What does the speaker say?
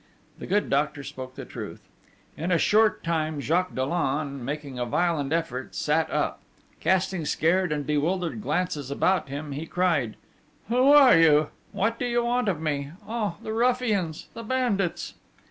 The good doctor spoke the truth. In a short time Jacques Dollon, making a violent effort, sat up. Casting scared and bewildered glances about him, he cried: 'Who are you? What do you want of me?... Ah, the ruffians! The bandits!'